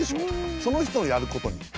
その人のやることに。